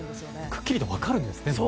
くっきりと分かるんですね。